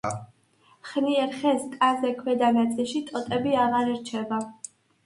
ხნიერ ხეს ტანზე ქვედა ნაწილში ტოტები აღარ რჩება.